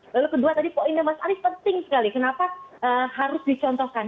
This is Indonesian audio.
lalu kedua tadi poinnya mas arief penting sekali kenapa harus dicontohkan